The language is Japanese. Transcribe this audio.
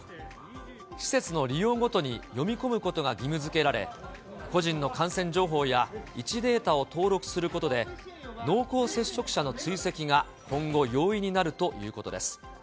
施設の利用ごとに読み込むことが義務づけられ、個人の感染情報や位置データを登録することで、濃厚接触者の追跡が今後、容易になるということです。